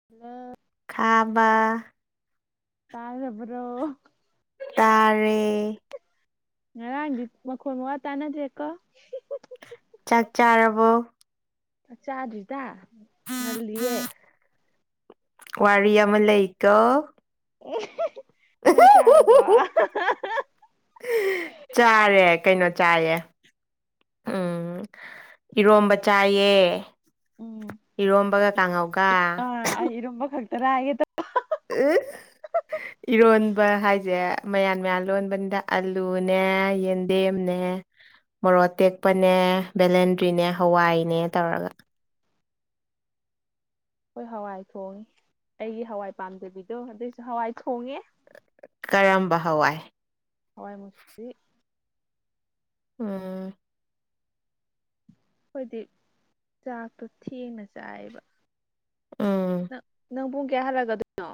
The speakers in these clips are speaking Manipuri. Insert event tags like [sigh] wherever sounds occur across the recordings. [unintelligible] ꯈꯥꯕ ꯇꯥꯔꯕ꯭ꯔꯣ ꯇꯥꯔꯦ ꯉꯔꯥꯡꯗꯤ ꯃꯈꯣꯟ ꯃꯋꯥ ꯇꯥꯅꯗ꯭ꯔꯦ ꯀꯣ ꯆꯥꯛ ꯆꯥꯔꯕꯣ ꯆꯥꯗ꯭ꯔꯤꯗ ꯉꯜꯂꯤꯌꯦ ꯋꯥꯔꯤ ꯑꯃ ꯂꯩꯀꯣ ꯎ ꯅꯪ ꯆꯥꯔꯕꯣ [unintelligible] ꯆꯥꯔꯦ ꯀꯩꯅꯣ ꯆꯥꯔꯦ ꯎꯝ ꯏꯔꯣꯝꯕ ꯆꯥꯏꯌꯦ ꯎꯝ ꯏꯔꯣꯝꯕꯒ ꯀꯥꯡꯉꯧꯒ ꯑꯥ ꯑꯩ ꯏꯔꯨꯝꯕ ꯈꯛꯇꯅꯒꯦ ꯇꯧ ꯎꯝ ꯏꯔꯣꯟꯕ ꯍꯥꯏꯁꯦ ꯃꯌꯥ ꯃꯌꯥꯝ ꯂꯣꯟꯕꯅꯤꯗ ꯑꯂꯨꯅꯦ ꯗꯦꯝꯅꯦ ꯃꯣꯔꯣ ꯇꯦꯛꯄꯅꯦ ꯕꯦꯂꯦꯟꯗ꯭ꯔꯤꯅꯦ ꯍꯋꯥꯏꯅꯦ ꯇꯧꯔꯒ ꯍꯣꯏ ꯍꯋꯥꯏ ꯊꯣꯡꯉꯦ ꯑꯩꯒꯤ ꯍꯋꯥꯏ ꯄꯥꯝꯖꯕꯤꯗꯣ ꯑꯗꯨꯏꯁꯨ ꯍꯋꯥꯏ ꯊꯣꯡꯉꯦ ꯀꯔꯝꯕ ꯍꯋꯥꯏ ꯍꯋꯥꯏ ꯃꯨꯁꯔꯤ ꯎꯝ ꯑꯩꯈꯣꯏꯗꯤ ꯆꯥꯛꯇꯣ ꯊꯦꯡꯅ ꯆꯥꯏꯑꯕ ꯎꯝ ꯅꯪ ꯅꯪ ꯄꯨꯡ ꯀꯌꯥ ꯍꯜꯂꯛꯀꯗꯣꯏꯅꯣ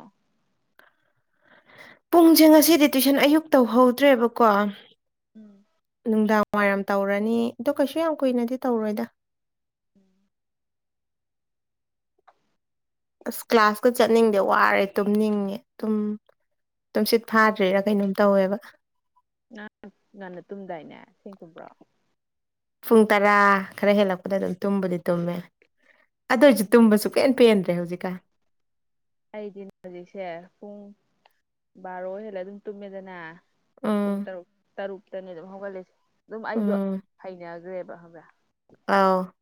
ꯄꯨꯡꯁꯦ ꯉꯁꯤꯗꯤ ꯇꯨꯏꯁꯟ ꯑꯌꯨꯛ ꯇꯧꯍꯧꯗ꯭ꯔꯦꯕꯀꯣ ꯎꯝ ꯅꯨꯡꯗꯥꯡ ꯋꯥꯏꯔꯝ ꯇꯧꯔꯅꯤ ꯑꯗꯣ ꯀꯩꯁꯨ ꯌꯥꯝ ꯀꯨꯏꯅꯗꯤ ꯇꯧꯔꯣꯏꯗ ꯎꯝ ꯑꯁ ꯀ꯭ꯂꯥꯁꯀ ꯆꯠꯅꯤꯡꯗꯦ ꯋꯥꯔꯦ ꯇꯨꯝꯅꯤꯡꯉꯦ ꯇꯨꯝ ꯇꯨꯝꯁꯤꯠ ꯐꯥꯗ꯭ꯔꯤꯔꯥ ꯀꯩꯅꯣꯝ ꯇꯧꯋꯦꯕ ꯉꯥ ꯉꯟꯅ ꯇꯨꯝꯗꯥꯏꯅꯦ ꯊꯦꯡ ꯇꯨꯝꯕ꯭ꯔꯣ ꯄꯨꯡ ꯇꯔꯥ ꯈꯔ ꯍꯦꯜꯂꯛꯄꯗ ꯑꯗꯨꯝ ꯇꯨꯝꯕꯨꯗꯤ ꯇꯨꯝꯃꯦ ꯑꯗꯨ ꯑꯣꯏꯔꯁꯨ ꯇꯨꯝꯕꯁꯨ ꯄꯦꯟ ꯄꯦꯟꯗ꯭ꯔꯦ ꯍꯧꯖꯤꯛꯀꯥꯟ ꯑꯩꯗꯤ ꯍꯧꯖꯤꯛꯁꯦ ꯄꯨꯡ ꯕꯥꯔꯣ ꯍꯦꯜꯂꯦ ꯑꯗꯨꯝ ꯇꯨꯝꯃꯦꯗꯅ ꯎꯝ ꯄꯨꯡ ꯇꯔꯨꯛ ꯇꯔꯨꯛꯇꯅꯦ ꯑꯗꯨꯝ ꯍꯧꯒꯠꯂꯁꯦ ꯑꯗꯨꯝ ꯑꯩꯗꯣ ꯎꯝ ꯍꯩꯅꯈ꯭ꯔꯦꯕꯕꯥ ꯑꯥꯎꯍꯍꯘ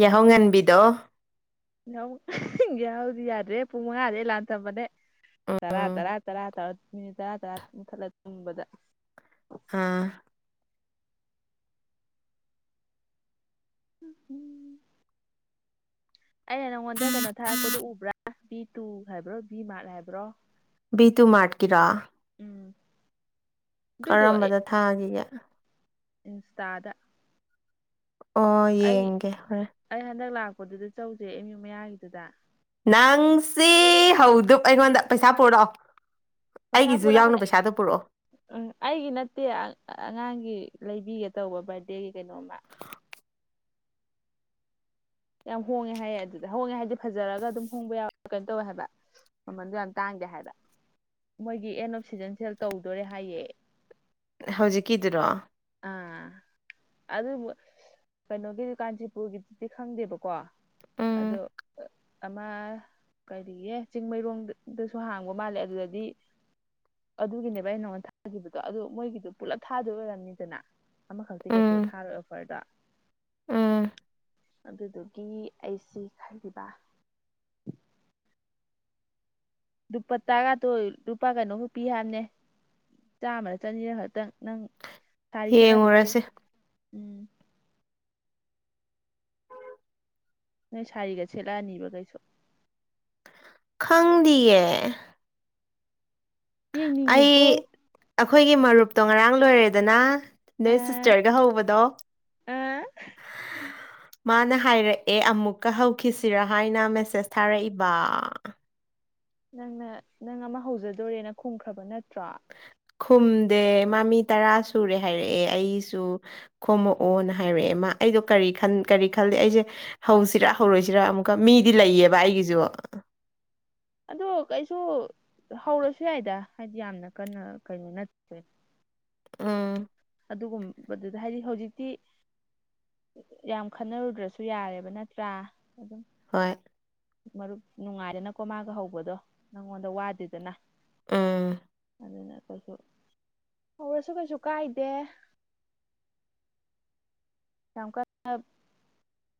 ꯌꯥꯍꯧ ꯉꯟꯕꯤꯗꯣ ꯌꯥꯎꯗꯤ ꯌꯥꯗ꯭ꯔꯦ ꯄꯨꯡ ꯃꯉꯥꯗꯂꯥꯟ ꯊꯝꯕꯅꯦ ꯇꯔꯥ ꯎꯝ ꯇꯔꯥ ꯇꯔꯥ ꯇꯔꯥ ꯇꯔꯥ ꯇꯔꯥꯊꯠꯂ ꯇꯨꯝꯕꯗ ꯍꯥꯥ ꯎ ꯎꯝ ꯑꯩꯅ ꯅꯪꯉꯣꯟꯗ ꯀꯩꯅꯣ ꯊꯥꯔꯛꯄꯗꯨ ꯎꯕ꯭ꯔꯥ ꯚ ꯇꯨ ꯍꯥꯏꯕ꯭ꯔꯣ ꯚ ꯃꯥꯔꯠ ꯍꯥꯏꯕ꯭ꯔꯣ ꯕꯤꯇꯨ ꯃꯥꯔꯇꯀꯤꯔꯣ ꯎꯝ ꯑꯗꯨꯗꯣ ꯑꯩ ꯀꯔꯝꯕꯗ ꯊꯥꯈꯤꯒꯦ ꯏꯟꯁꯇꯥꯗ ꯑꯣ ꯑꯩ ꯌꯦꯡꯒꯦ ꯍꯣꯔꯦꯟ ꯑꯩ ꯍꯟꯗꯛ ꯂꯥꯛꯄꯗꯨꯗꯤ ꯆꯧꯖꯩ ꯑꯦꯝ ꯌꯨ ꯃꯌꯥꯒꯤꯗꯨꯗ ꯅꯪꯁꯦ ꯍꯧꯗꯕ ꯑꯩꯉꯣꯟꯗ ꯄꯩꯁꯥ ꯄꯨꯔꯛꯑꯣ ꯄꯩꯁꯥ ꯑꯩꯒꯤꯁꯨ ꯄꯨꯂ ꯌꯥꯎꯅ ꯀꯅꯦ ꯄꯩꯁꯥꯗꯣ ꯄꯨꯔꯛꯑꯣ ꯎꯝ ꯑꯩꯒꯤ ꯅꯠꯇꯦ ꯑꯉꯥꯡꯒꯤ ꯂꯩꯕꯤꯒꯦ ꯇꯧꯕ ꯕꯥꯔꯗꯦꯒꯤ ꯀꯩꯅꯣꯝꯃ ꯌꯥꯝ ꯍꯣꯡꯉꯦ ꯍꯥꯏꯌꯦ ꯑꯗꯨꯗ ꯍꯣꯡꯉꯦ ꯍꯥꯏꯕꯗꯤ ꯐꯖꯔꯒ ꯑꯗꯨꯝ ꯍꯣꯡꯕ ꯌꯥꯎꯋꯦ ꯀꯩꯅꯣ ꯇꯧꯋꯦ ꯍꯥꯏꯕ ꯃꯃꯟꯗꯣ ꯌꯥꯝ ꯇꯥꯡꯗꯦ ꯍꯥꯏꯕ ꯃꯣꯏꯒꯤ ꯑꯦꯟ ꯑꯣꯐ ꯁꯤꯖꯟꯁꯦꯜ ꯇꯧꯗꯣꯔꯦ ꯍꯥꯏꯌꯦ ꯍꯧꯖꯤꯛꯀꯤꯗꯨꯔꯣ ꯑꯥ ꯑꯗꯨꯕꯨ ꯀꯩꯅꯣꯒꯤꯗꯤ ꯀꯥꯟꯆꯤꯄꯨꯔꯒꯤꯗꯨꯗꯤ ꯈꯪꯗꯦꯕꯀꯣ ꯎꯝ ꯑꯗꯨ ꯑꯃ ꯀꯔꯤꯌꯦ ꯆꯤꯡꯃꯩꯔꯣꯡꯗꯁꯨ ꯍꯥꯡꯕ ꯃꯥꯜꯂꯦ ꯑꯗꯨꯗꯗꯤ ꯑꯗꯨꯒꯤꯅꯦꯕ ꯑꯩ ꯅꯉꯣꯟꯗ ꯊꯥꯒꯤꯕꯗꯣ ꯑꯗꯨ ꯃꯣꯏꯒꯤꯗꯣ ꯄꯨꯂꯞ ꯊꯥꯗꯣꯏ ꯑꯣꯏꯔꯝꯅꯤ ꯑꯗꯨꯅ ꯑꯃꯈꯛꯇꯤ ꯎꯝ ꯀꯩꯁꯨ ꯊꯥꯔꯣꯏ ꯑꯣꯐꯔꯗꯣ ꯎꯝ ꯑꯗꯨꯗꯨꯒꯤ ꯑꯩꯁꯤ ꯈꯜꯂꯤꯕ ꯂꯨꯄꯥ ꯇꯔꯥꯗꯣ ꯂꯨꯄꯥ ꯀꯩꯅꯣꯃ ꯄꯤ ꯍꯥꯢꯕꯅꯦ ꯆꯥꯃꯔ ꯆꯅꯤꯔ ꯈꯛꯇꯪ ꯅꯪ ꯁꯥꯔꯤ ꯁꯦꯠꯅꯕ ꯂꯩꯌꯨ ꯌꯦꯡꯉꯨꯔꯁꯦ ꯎꯝ ꯅꯣꯏ ꯁꯥꯔꯤꯒ ꯁꯦꯠꯂꯛꯑꯅꯤꯕ ꯀꯩꯁꯨ ꯈꯪꯗꯤꯌꯦ ꯑꯩ ꯌꯦꯡꯅꯤꯡꯉꯤꯀꯣ ꯑꯈꯣꯏꯒꯤ ꯃꯔꯨꯞꯇꯣ ꯉꯔꯥꯡ ꯂꯣꯏꯔꯦꯗꯅ ꯑ ꯅꯣꯢ ꯁꯤꯁꯇꯔꯒ ꯍꯧꯕꯗꯣ ꯑ ꯃꯥꯅ ꯍꯥꯏꯔꯛꯑꯦ ꯑꯃꯨꯛꯀ ꯍꯧꯈꯤꯁꯤꯔꯥ ꯍꯥꯏꯅ ꯃꯦꯁꯦꯁ ꯊꯥꯔꯛꯏꯕ ꯅꯪꯅ ꯅꯪ ꯑꯃ ꯍꯧꯖꯗꯣꯔꯦꯅ ꯈꯨꯝꯈ꯭ꯔꯕ ꯅꯠꯇ꯭ꯔꯣ ꯈꯨꯝꯗꯦ ꯃꯥ ꯃꯤ ꯇꯔꯥ ꯁꯨꯔꯦ ꯍꯥꯏꯔꯛꯑꯦ ꯑꯩꯁꯨ ꯈꯣꯝꯃꯛꯑꯣꯅ ꯍꯥꯏꯔꯛꯑꯦ ꯃꯥ ꯑꯩꯗꯣ ꯀꯔꯤ ꯀꯔꯤ ꯈꯜꯂꯤ ꯑꯩꯁꯦ ꯍꯧꯁꯤꯔꯥ ꯍꯧꯔꯣꯏꯁꯤꯔꯥ ꯑꯃꯨꯛꯀ ꯃꯤꯗꯤ ꯂꯩꯌꯦꯕ ꯑꯩꯒꯤꯁꯨ ꯑꯗꯣ ꯀꯩꯁꯨ ꯍꯧꯔꯁꯨ ꯌꯥꯏꯗ ꯍꯥꯏꯗꯤ ꯌꯥꯝꯅ ꯀꯟꯅ ꯀꯩꯅꯣ ꯅꯠꯇ꯭ꯔꯦ ꯎꯝ ꯑꯗꯨꯒꯨꯝꯕꯗꯨꯗ ꯍꯥꯏꯗꯤ ꯍꯧꯖꯤꯛꯇꯤ ꯌꯥꯝ ꯈꯟꯅꯔꯨꯗ꯭ꯔꯁꯨ ꯌꯥꯔꯦꯕ ꯅꯠꯇ꯭ꯔꯥ ꯑꯗꯨꯝ ꯍꯣꯏ ꯃꯔꯨꯞ ꯅꯨꯡꯉꯥꯏꯗꯅꯀꯣ ꯃꯥꯒ ꯍꯧꯕꯗꯣ ꯅꯪꯉꯣꯟꯗ ꯋꯥꯗꯦꯗꯅ ꯎꯝ ꯑꯗꯨꯅ ꯀꯩꯁꯨ ꯍꯧꯔꯁꯨ ꯀꯩꯁꯨ ꯀꯥꯏꯗꯦ ꯌꯥꯝ ꯀꯟꯅ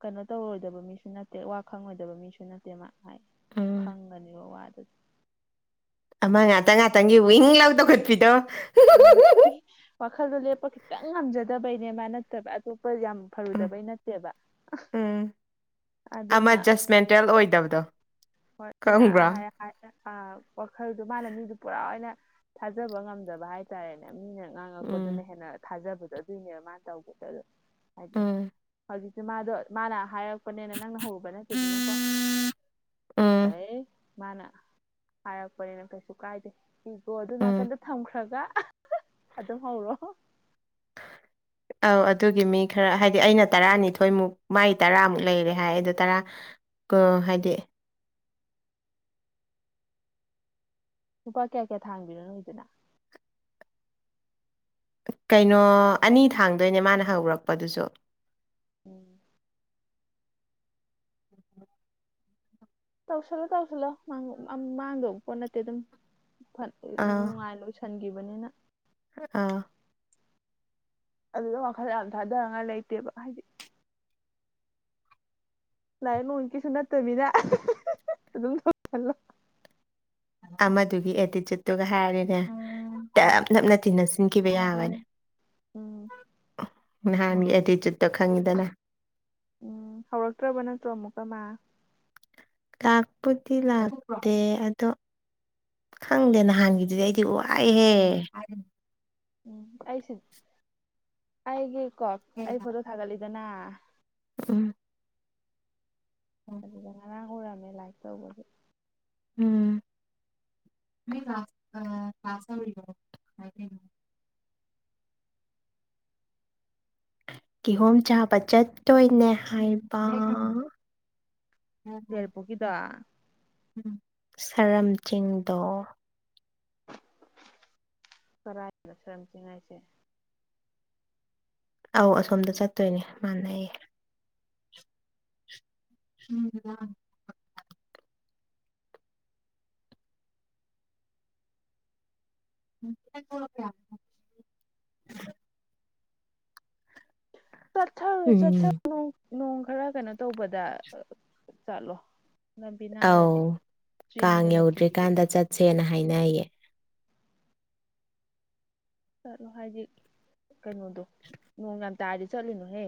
ꯀꯩꯅꯣ ꯇꯧꯔꯣꯏꯗꯕ ꯃꯤꯁꯨ ꯅꯠꯇꯦ ꯋꯥ ꯈꯪꯉꯣꯏꯗꯕ ꯃꯤꯁꯨ ꯅꯠꯇꯦ ꯃꯥ ꯑꯥꯢ ꯎꯝ ꯈꯪꯒꯅꯦꯕ ꯋꯥꯗꯨꯗꯤ ꯑꯃ ꯉꯥꯛꯇꯪ ꯉꯥꯛꯇꯪꯒꯤ ꯋꯤꯡ ꯂꯥꯎ ꯇꯧꯈꯠꯄꯤꯗꯣ ꯎꯝ ꯋꯥꯈꯜꯗꯣ ꯂꯦꯞꯄ ꯈꯤꯇꯪ ꯉꯝꯖꯗꯕꯩꯅꯦ ꯃꯥ ꯅꯠꯇꯕ ꯑꯇꯣꯞꯄ ꯌꯥꯝ ꯎꯝ ꯐꯔꯨꯗꯕꯩ ꯅꯠꯇꯦꯕ ꯎꯝ ꯑꯗꯨꯅ ꯐꯦꯜ ꯑꯣꯏꯗꯕꯗꯣ ꯍꯣꯏ ꯑꯩꯅ ꯈꯪꯕ꯭ꯔꯥ ꯑꯍꯥꯢ ꯋꯥꯈꯜꯗꯣ ꯃꯥꯅ ꯃꯤꯗꯨ ꯄꯨꯔꯥ ꯑꯣꯏꯅ ꯊꯥꯖꯕ ꯉꯝꯗꯕ ꯍꯥꯏꯇꯥꯔꯦꯅꯦ ꯃꯤꯅ ꯉꯥꯡꯉꯛꯄꯗꯨꯅ ꯎꯝ ꯍꯦꯟꯅ ꯊꯥꯖꯕꯗꯣ ꯑꯗꯨꯏꯅꯦꯕ ꯃꯥꯅ ꯇꯧꯔꯤꯗꯣ ꯑꯗꯣ ꯍꯥꯏꯗꯤ ꯎꯝ ꯍꯧꯖꯤꯛꯁꯦ ꯃꯥꯗꯣ ꯃꯥꯅ ꯍꯥꯏꯔꯛꯄꯅꯦꯅ ꯅꯪꯅ ꯍꯧꯔꯨꯕ ꯅꯠꯇꯦꯗꯅꯀꯣ ꯎꯝ ꯑꯦ ꯃꯥꯅ ꯍꯥꯏꯔꯛꯄꯅꯤꯅ ꯀꯩꯁꯨ ꯀꯥꯏꯗꯦ ꯀꯤꯕꯣ ꯑꯗꯨ ꯎꯝ ꯅꯥꯀꯟꯗꯨ ꯊꯝꯈ꯭ꯔꯒ ꯑꯗꯨꯝ ꯍꯧꯔꯣ [unintelligible] [inaudible] ꯑꯧ ꯑꯗꯨꯒꯤ ꯃꯤ ꯈꯔ ꯍꯥꯏꯗꯤ ꯑꯩꯅ ꯇꯔꯥꯅꯤꯊꯣꯏꯃꯨꯛ ꯃꯥꯏ ꯇꯔꯥꯃꯨꯛ ꯂꯩꯔꯦ ꯍꯥꯏ ꯑꯗꯨ ꯇꯔꯥ ꯀ ꯍꯥꯏꯗꯤ ꯂꯨꯄꯥ ꯀꯌꯥ ꯀꯌꯥ ꯊꯥꯡꯕꯤꯅꯣ ꯅꯣꯏꯗꯨꯅ ꯀꯩꯅꯣ ꯑꯅꯤ ꯊꯥꯡꯗꯣꯏꯅꯦ ꯃꯥꯅ ꯍꯧꯔꯛꯄꯗꯨꯁꯨ ꯎꯝ ꯇꯧꯁꯜꯂꯣ ꯇꯧꯁꯤꯜꯂꯣ ꯃꯥꯡꯗꯧꯕ ꯄꯣꯠ ꯅꯠꯇꯦ ꯑꯗꯨꯝ ꯑꯥ ꯅꯨꯡꯉꯥꯏꯅ ꯁꯟꯈꯤꯕꯅꯤꯅ ꯑꯥ ꯑꯗꯨꯗ ꯋꯥꯈꯜ ꯌꯥꯝ ꯊꯥꯗꯅꯤꯉꯥꯏ ꯂꯩꯇꯦꯕ ꯍꯥꯏꯗꯤ ꯂꯥꯏꯔꯤꯛ ꯅꯣꯡꯒꯤꯁꯨ ꯅꯠꯇꯝꯅꯤꯅ ꯑꯗꯨꯝ ꯈꯜꯂꯣ ꯑꯃꯗꯨꯒꯤ ꯑꯦꯇꯤꯆꯨꯠꯇꯨꯒ ꯍꯥꯏꯔꯗꯤꯅꯦ ꯇꯞ ꯎꯝ ꯅꯞꯅ ꯇꯤꯟꯅ ꯁꯤꯟꯈꯤꯕ ꯌꯥꯕꯅꯦ ꯎꯝ ꯅꯍꯥꯟꯒꯤ ꯑꯦꯇꯤꯆꯨꯠꯇꯣ ꯈꯪꯉꯤꯗꯅ ꯎꯝ ꯍꯧꯔꯛꯇ꯭ꯔꯕ ꯅꯠꯇ꯭ꯔꯣ ꯑꯃꯨꯛꯀ ꯃꯥ ꯂꯥꯛꯄꯨꯗꯤ ꯂꯥꯛꯇꯦ ꯑꯗꯣ ꯈꯪꯗꯦ ꯅꯍꯥꯟꯒꯤꯗꯨꯗꯤ ꯑꯩꯗꯤ ꯋꯥꯏꯍꯦ ꯎꯝ ꯑꯩꯗꯤ ꯑꯩꯒꯤꯀꯣ ꯑꯩ ꯐꯣꯇꯣ ꯊꯥꯒꯠꯂꯤꯗꯅ ꯎꯝ ꯑꯗꯨꯗ ꯉꯔꯥꯡ ꯎꯔꯝꯃꯦ ꯂꯥꯏꯛ ꯇꯧꯕꯁ ꯎꯝ ꯀ꯭ꯂꯥꯁ ꯀ꯭ꯂꯥꯁ ꯑꯧꯔꯤꯕꯣ [unintelligible] [unintelligible] ꯀꯤꯍꯣꯝ ꯆꯥꯕ ꯆꯠꯇꯣꯏꯅꯦ ꯍꯥꯏꯕ ꯌꯥꯢꯔꯤꯄꯣꯛꯒꯤꯗꯣ ꯎꯝ ꯁꯥꯔꯝ ꯆꯤꯡꯗꯣ ꯀꯔꯥꯏꯗꯅꯣ ꯁꯥꯔꯝ ꯆꯤꯡ ꯍꯥꯢꯁꯦ ꯑꯧ ꯑꯁꯣꯝꯗ ꯆꯠꯇꯣꯏꯅꯦ ꯃꯥꯥꯟꯅꯩꯌꯦ ꯎꯝ [unintelligible] ꯆꯠꯊꯔꯣ ꯎꯝ ꯆꯠꯊꯔꯣ ꯅꯣꯡ ꯈꯔ ꯀꯩꯅꯣ ꯇꯧꯕꯗ ꯆꯠꯂꯣ ꯂꯝꯕꯤ ꯑꯧ ꯅꯥꯜꯂꯗꯤ ꯀꯥꯡ ꯆꯤꯡꯅꯦꯅ ꯀꯤꯗꯣ ꯌꯧꯗ꯭ꯔꯤꯀꯥꯟꯗ ꯆꯠꯁꯦꯅ ꯍꯥꯏꯅꯩꯌꯦ ꯆꯠꯂꯣ ꯍꯥꯏꯗꯤ ꯀꯩꯅꯣꯗꯣ ꯅꯣꯡ ꯌꯥꯝ ꯇꯥꯔꯗꯤ ꯆꯠꯂꯨꯅꯨꯍꯦ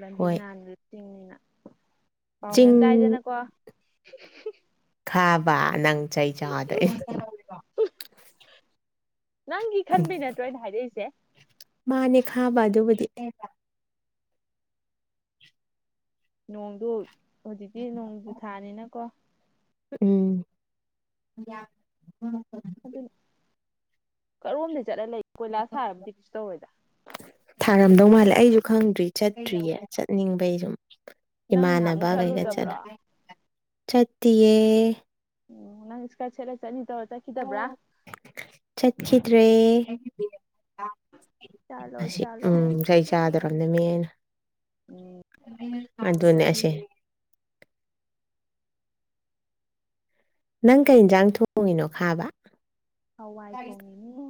ꯂꯝꯕꯤ ꯍꯣꯏ ꯅꯥꯟꯕꯅꯤꯅ ꯆꯤꯡꯅꯤꯅ ꯄꯥꯎ ꯆꯤꯡ ꯃꯌꯥꯝ ꯇꯥꯏꯌꯦꯗꯅꯀꯣ ꯈꯥꯕ ꯅꯪ ꯆꯩ ꯆꯥꯗꯣꯏꯅꯦ ꯅꯪꯒꯤ ꯈꯟꯕꯩ ꯅꯠꯇ꯭ꯔꯣ ꯑꯩꯅ ꯍꯥꯏꯔꯛꯏꯁꯦ ꯃꯥꯅꯦ ꯈꯥꯕ ꯑꯗꯨꯕꯨꯗꯤ ꯅꯣꯡꯗꯨ ꯍꯧꯖꯤꯛꯇꯤ ꯅꯣꯡꯁꯨ ꯊꯥꯅꯤꯅꯀꯣ ꯎꯝ ꯑꯗꯨꯅ ꯀꯔꯣꯝꯗꯩ ꯆꯠꯂ ꯂꯩ ꯀꯣꯏꯂꯥꯁ ꯊꯥꯔꯕꯨꯗꯤ ꯀꯩꯁꯨ ꯇꯧꯔꯣꯏꯗ ꯊꯥꯔꯝꯗꯧ ꯃꯥꯜꯂꯦ ꯑꯩꯁꯨ ꯈꯪꯗ꯭ꯔꯤ ꯆꯠꯇ꯭ꯔꯤꯌꯦ ꯆꯠꯅꯤꯡꯕꯩ ꯁꯨꯝ ꯅꯪ ꯏꯃꯥꯅꯕ ꯅꯍꯥꯟꯃꯨꯛ ꯀꯩꯒ ꯆꯠꯂꯦ ꯆꯠꯂꯨꯗꯕ꯭ꯔꯣ ꯆꯠꯇꯦꯌꯦ ꯎꯝ ꯅꯪ ꯏꯁꯒꯥꯠ ꯁꯦꯠꯂ ꯆꯠꯅꯤ ꯇꯧꯔ ꯆꯠꯈꯤꯗꯕ꯭ꯔꯥ ꯆꯠꯈꯤꯗ꯭ꯔꯦ ꯆꯠꯂꯣ ꯑꯁꯤ ꯆꯠꯂꯣ ꯎꯝ [unintelligible] ꯗ꯭ꯔꯕꯅꯦ ꯃꯤ ꯑꯩꯅ ꯎꯝ ꯑꯗꯨꯅꯦ ꯑꯁꯤ ꯅꯪ ꯀꯩ ꯏꯟꯖꯥꯡ ꯊꯣꯡꯉꯤꯅꯣ ꯈꯥꯕ ꯍꯋꯥꯏ ꯊꯣꯡꯉꯤꯅꯤ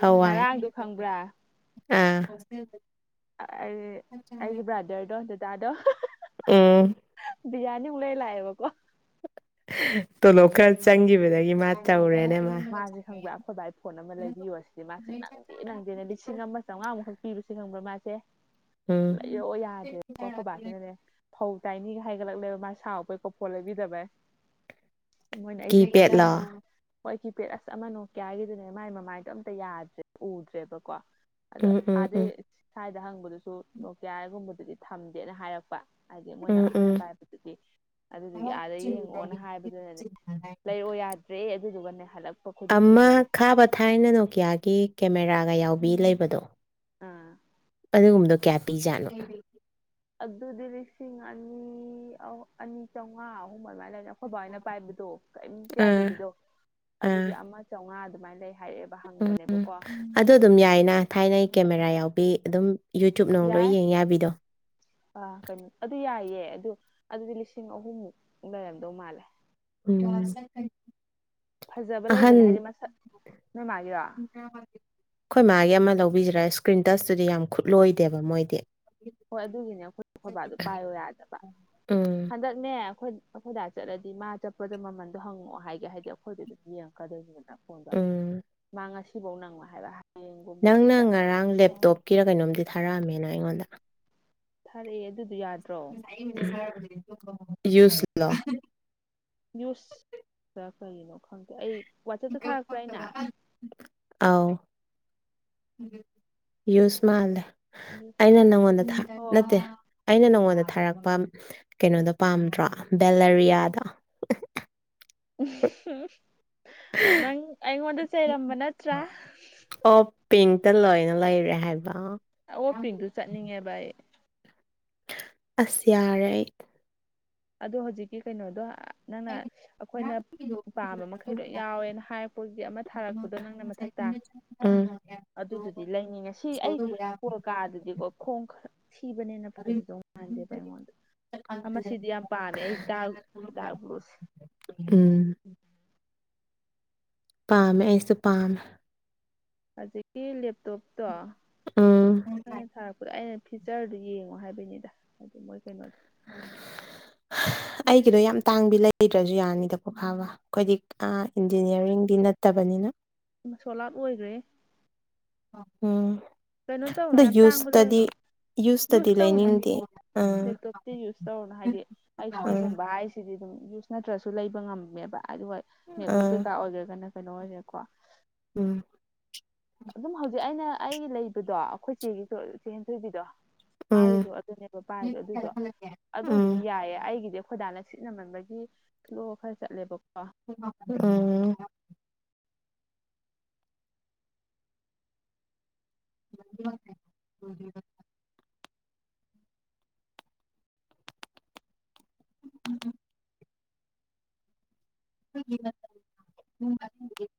ꯍꯋꯥꯏ ꯉꯔꯥꯡꯗꯣ ꯈꯪꯕ꯭ꯔꯥ ꯑꯥ ꯑꯩ ꯑꯩꯒꯤ ꯕ꯭ꯔꯥꯗꯔꯗꯣ ꯗꯥꯗꯥꯗꯣ ꯑꯦ ꯕ꯭ꯔꯤꯌꯥꯅꯤꯃꯨꯛ ꯂꯩ ꯂꯥꯛꯑꯦꯕꯀꯣ ꯇꯣꯂꯣꯞ ꯈꯔ ꯆꯪꯒꯤꯕꯗꯒꯤ ꯃꯥ ꯇꯧꯔꯦꯅꯦ ꯃꯥ ꯃꯥꯖꯦ ꯈꯪꯕ꯭ꯔꯥ ꯑꯩꯈꯣꯏ ꯕꯥꯒꯤ ꯐꯣꯟ ꯑꯃ ꯂꯩꯕꯤꯌꯣꯁꯤꯅꯤ ꯃꯥꯏꯁꯤ ꯅꯪ ꯅꯪꯗꯦ ꯅꯪꯗꯦꯅꯦ ꯂꯤꯁꯤꯡ ꯑꯃ ꯆꯥꯝꯃꯉꯥꯃꯨ ꯈꯛ ꯄꯤꯕꯁꯦ ꯅꯪꯕ꯭ꯔꯥ ꯃꯥꯁꯦ ꯎꯝ ꯂꯩꯔꯛꯑꯣ ꯌꯥꯗ꯭ꯔꯦꯀꯣ ꯈꯣꯏꯕꯥꯥꯁꯤꯅꯅꯦ ꯐꯧ ꯇꯥꯏꯅꯤꯒ ꯍꯥꯏꯒꯠꯂꯛꯂꯦꯕ ꯃꯥ ꯁꯥꯎꯕꯩ ꯀꯣ ꯐꯣꯜ ꯂꯩꯕꯤꯗꯕꯩ ꯃꯣꯏꯅ ꯑꯩꯒꯤ ꯐꯣꯜ ꯀꯤꯄꯦꯗꯂꯣ ꯂꯩꯕꯤꯗꯦ ꯍꯣꯏ ꯀꯤꯄꯦꯠ ꯑꯁ ꯑꯃ ꯅꯣꯀꯌꯥꯒꯤꯗꯨꯅꯦ ꯃꯥꯏ ꯃꯃꯥꯏꯗꯣ ꯑꯝꯇ ꯌꯥꯗ꯭ꯔꯦ ꯎꯗ꯭ꯔꯦꯕꯀꯣ ꯑꯗꯣ ꯎꯝ ꯎꯝ ꯎꯝ ꯑꯥꯗꯩ ꯁ꯭ꯋꯥꯏꯗ ꯍꯪꯕꯗꯨꯁꯨ ꯅꯣꯀꯌꯥꯒꯨꯝꯕꯗꯨꯗꯤ ꯊꯝꯗꯦꯅ ꯍꯥꯏꯔꯛꯄ ꯍꯥꯏꯗꯤ ꯃꯣꯏꯅ ꯎꯝ ꯑꯍꯟꯅ ꯎꯝ ꯄꯥꯏꯕꯗꯨꯗꯤ ꯑꯗꯨꯗꯨꯒꯤ ꯑꯥꯗ ꯌꯦꯡꯉꯛꯑꯣꯅ ꯍꯥꯏꯕꯗꯨꯅꯅꯦ ꯂꯩꯔꯛꯑꯣ ꯌꯥꯗ꯭ꯔꯦ ꯑꯗꯨꯗꯨꯒꯅꯦ ꯍꯜꯂꯛ ꯑꯃ ꯈꯥꯕ ꯊꯥꯏꯅ ꯅꯣꯀꯤꯌꯥꯒꯤ ꯀꯦꯃꯦꯔꯥꯒ ꯌꯥꯎꯕꯤ ꯂꯩꯕꯗꯣ ꯑꯥ ꯑꯗꯨꯒꯨꯝꯕꯗꯣ ꯀꯌꯥ ꯄꯤꯖꯥꯠꯅꯣ ꯑꯗꯨꯗꯤ ꯂꯤꯁꯤꯡ ꯑꯅꯤ ꯑꯅꯤ ꯆꯥꯝꯃꯉꯥ ꯑꯍꯨꯝ ꯑꯗꯨꯃꯥꯏ ꯂꯩꯔꯝ ꯈꯣꯏ ꯕꯥꯍꯣꯏꯅ ꯄꯥꯏꯕꯗꯣ ꯀꯔꯤꯝꯇ ꯑꯥ ꯌꯥꯗꯕꯤꯗꯣ ꯑꯥ ꯑꯗꯨꯗꯤ ꯑꯃ ꯆꯥꯝꯃꯉꯥ ꯑꯗꯨꯃꯥꯏꯅ ꯂꯩ ꯍꯥꯏꯔꯛꯑꯦꯕ ꯍꯪꯕꯅꯦꯕꯀꯣ ꯑꯗ ꯑꯗꯨꯝ ꯌꯥꯏꯅ ꯊꯥꯏꯅ ꯀꯦꯃꯦꯔꯥ ꯌꯥꯎꯕꯤ ꯑꯗꯨꯝ ꯌꯨꯇ꯭ꯌꯨ ꯅꯨꯡ ꯂꯣꯏ ꯌꯦꯡ ꯌꯥꯕꯤꯗꯣ ꯑꯥ ꯀꯩꯅꯣ ꯑꯗꯨ ꯌꯥꯏꯌꯦ ꯑꯗꯨ ꯑꯗꯨꯗꯤ ꯂꯤꯁꯤꯡ ꯑꯍꯨꯝꯃꯨꯛ ꯂꯩꯔꯝꯗꯧ ꯃꯥꯜꯂꯦ ꯎꯝ ꯐꯥꯖꯕ ꯑꯍꯟ ꯂꯩꯕꯅꯦ ꯍꯥꯏꯗꯤ ꯃꯁꯛ ꯅꯣꯏꯃꯥꯒꯤꯔꯣ ꯑꯩꯈꯣꯏ ꯃꯥꯒꯤ ꯑꯃ ꯂꯧꯕꯤꯁꯤꯔ ꯏꯁꯀ꯭ꯔꯤꯟ ꯇꯁꯇꯨꯗꯤ ꯌꯥꯝ ꯈꯨꯠꯂꯣꯏꯗꯦꯕ ꯃꯣꯏꯗꯤ ꯍꯣꯏ ꯑꯗꯨꯒꯤꯅꯦ ꯑꯩꯈꯣꯏ ꯕꯥꯗꯣ ꯄꯥꯏꯌꯣ ꯌꯥꯗꯕ ꯎꯝ ꯍꯟꯗꯛ ꯅꯦ ꯑꯩꯈꯣꯏ ꯑꯩꯈꯣꯏꯗꯥ ꯆꯠꯂꯗꯤ ꯃꯥ ꯆꯠꯄꯗ ꯃꯃꯟꯗꯣ ꯍꯪꯉꯛꯑꯣ ꯍꯥꯏꯒꯦ ꯍꯥꯏꯗꯤ ꯑꯩꯈꯣꯏꯗꯨ ꯑꯗꯨꯝ ꯌꯦꯡꯉꯛꯀꯗꯣꯏꯅꯤꯗ ꯐꯣꯟꯗꯣ ꯎꯝ ꯃꯥ ꯉꯁꯤꯐꯧ ꯅꯪꯉꯣꯏ ꯍꯥꯏꯕ ꯍꯌꯦꯡꯒꯨꯝꯕꯗꯤ ꯅꯪꯅ ꯉꯔꯥꯡ ꯂꯦꯞꯇꯣꯞꯀꯤꯔ ꯀꯩꯅꯣꯝꯗꯤ ꯊꯥꯔꯛꯑꯝꯃꯦ ꯅꯪ ꯑꯩꯉꯣꯟꯗ ꯊꯥꯔꯛꯑꯦ ꯑꯗꯨꯗꯣ ꯌꯥꯅꯤ [unintelligible] ꯌꯨꯁꯂꯣ ꯌꯨꯁꯇ ꯀꯔꯤꯅꯣ ꯈꯪꯗꯦ ꯑꯩ ꯋꯥꯆꯞꯇ ꯊꯥꯔꯛꯄ꯭ꯔꯥ ꯑꯩꯅ [unintelligible] ꯑꯥꯎ ꯌꯨꯁꯃꯥꯜꯂꯦ ꯑꯩꯅ ꯅꯪꯉꯣꯟꯗ ꯊ ꯑꯣ ꯅꯠꯇꯦ ꯑꯩꯅ ꯅꯪꯉꯣꯟꯗ ꯊꯥꯔꯛꯄ ꯀꯩꯅꯣꯗꯣ ꯄꯥꯝꯗ꯭ꯔꯣ ꯕꯦꯂꯔꯤꯌꯥꯗꯣ ꯅꯪ ꯑꯩꯉꯣꯟꯗ ꯆꯩꯔꯝꯕ ꯅꯠꯇ꯭ꯔꯥ ꯑꯣꯞ ꯄꯤꯡꯇ ꯂꯣꯏꯅ ꯂꯩꯔꯦ ꯍꯥꯏꯕ ꯑꯣꯞ ꯄꯤꯡꯗꯨ ꯆꯠꯅꯤꯡꯉꯦꯕ ꯑꯩ ꯑꯁ ꯌꯥꯔꯦ ꯑꯩ ꯑꯗꯣ ꯍꯧꯖꯤꯛꯀꯤ ꯀꯩꯅꯣꯗꯣ ꯑꯥ ꯅꯪꯅ ꯑꯩꯈꯣꯏꯅ ꯄꯥꯥꯝꯕ ꯃꯈꯩ ꯂꯣ ꯌꯥꯎꯋꯦꯅ ꯍꯥꯏꯔꯛꯄꯒꯤ ꯑꯃ ꯊꯥꯔꯛꯄꯗꯣ ꯅꯪꯅ ꯃꯊꯛꯇ ꯎꯝ ꯑꯗꯨꯗꯨꯗꯤ ꯂꯩꯅꯤꯉꯦ ꯁꯤ ꯑꯩ ꯀꯥꯗꯨꯗꯤꯀꯣ ꯈꯣꯡ ꯈꯔ ꯊꯤꯕꯅꯤꯅ ꯐꯥꯖꯗꯧ ꯉꯥꯟꯗꯦꯕ ꯑꯩꯉꯣꯟꯗ ꯑꯃꯁꯤꯗꯤ ꯌꯥꯝ ꯄꯥꯝꯃꯦ ꯑꯩ ꯗꯥꯛ ꯗꯥꯛꯕ꯭ꯔꯨꯁꯦ ꯎꯝ ꯄꯥꯝꯃꯦ ꯑꯩꯁꯨ ꯄꯥꯝꯃꯦ ꯍꯧꯖꯤꯛꯀꯤ ꯂꯦꯞꯇꯣꯞꯇꯣ ꯎꯝ ꯑꯩꯅ ꯊꯥꯔꯛꯄꯗ ꯑꯩꯅ ꯐꯤꯆꯔꯗꯨ ꯌꯦꯡꯉꯣ ꯍꯥꯏꯕꯩꯅꯤꯗ ꯑꯗꯨ ꯃꯣꯏ ꯀꯩꯅꯣꯗꯣ ꯑꯩꯒꯤꯗꯣ ꯌꯥꯝ ꯇꯥꯡꯕꯤ ꯂꯩꯗ꯭ꯔꯖꯨ ꯌꯥꯅꯤꯗ ꯀꯣ ꯈꯥꯕ ꯑꯈꯣꯏꯗꯤ ꯑ ꯏꯟꯖꯤꯅꯤꯌꯥꯔꯤꯡꯗꯤ ꯅꯠꯇꯕꯅꯤꯅ ꯏꯃꯥ ꯁꯣꯜꯑꯥꯛ ꯑꯣꯏꯈ꯭ꯔꯦꯍꯦ ꯎꯝ ꯀꯩꯅꯣ ꯇꯧꯔꯅꯣ ꯑꯗꯨ ꯌꯥꯝ ꯇꯥꯡꯕ ꯌꯨꯁꯇꯗꯤ ꯂꯩꯔꯨꯅꯣ ꯌꯨꯁꯇꯗꯤ ꯌꯨꯁ ꯇꯧꯔꯨꯅꯣ ꯂꯩꯅꯤꯡꯗꯦ ꯑꯥ ꯂꯦꯞꯇꯣꯞꯇꯤ ꯌꯨꯁ ꯇꯧꯔꯨꯅꯣ ꯍꯥꯏꯗꯤ ꯑꯩꯁ ꯑꯥ ꯄꯤꯒꯨꯝꯕ ꯍꯥꯏ ꯁꯤꯗꯤ ꯑꯗꯨꯝ ꯌꯨꯁ ꯅꯠꯇ꯭ꯔꯁꯨ ꯂꯩꯕ ꯉꯝꯃꯦꯕ ꯑꯗꯨꯒ ꯅꯦꯠꯕꯨꯛ ꯑꯥ ꯀꯩꯀꯥ ꯑꯣꯏꯒꯦꯔꯥ ꯀꯩꯅꯣ ꯑꯣꯏꯒꯦꯔꯥꯀꯣ ꯎꯝ ꯑꯗꯨꯝ ꯍꯧꯖꯤꯛ ꯑꯩꯅ ꯑꯩꯒꯤ ꯂꯩꯕꯗꯣ ꯑꯩꯈꯣꯏ ꯆꯦꯒꯤ ꯆꯦꯟ ꯊꯣꯏꯕꯤꯗꯣ ꯎꯝ ꯃꯥꯒꯤꯁꯨ ꯑꯗꯨꯅꯦꯕ ꯄꯥꯏꯗꯣ ꯑꯗꯨꯗꯣ ꯑꯗꯨ ꯎꯝ ꯑꯗꯨꯝ ꯌꯥꯏꯌꯦ ꯑꯩꯒꯤꯗꯤ ꯑꯩꯈꯣꯏ ꯗꯥꯅ ꯁꯤꯠꯅꯃꯟꯕꯒꯤ ꯏꯁꯂꯣ ꯈꯔ ꯆꯠꯂꯦꯕꯀꯣ ꯎꯝ [inaudible] [unintelligible] [unintelligible]